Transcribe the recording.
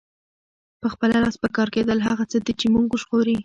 په خپله لاس پکار کیدل هغه څه دي چې مونږ ژغوري.